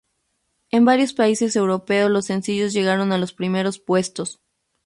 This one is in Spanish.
En varios países europeos los sencillos llegaron a los primeros puestos.